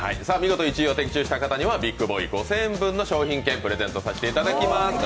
見事１位を的中した方にはビッグボーイ５０００円分の商品券プレゼントさせていただきます。